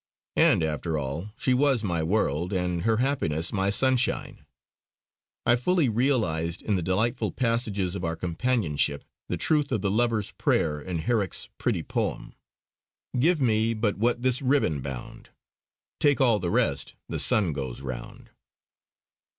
And, after all, she was my world, and her happiness my sunshine. I fully realised in the delightful passages of our companionship the truth of the lover's prayer in Herrick's pretty poem. "Give me but what this Ribbon bound, Take all the rest the sun goes round."